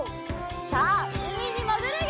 さあうみにもぐるよ！